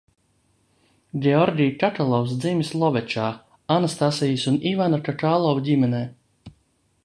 Georgi Kakalovs dzimis Lovečā, Anastasijas un Ivana Kakalovu ģimenē.